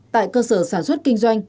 tại cơ sở sản xuất kinh doanh